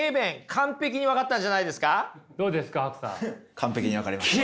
完璧に分かりました。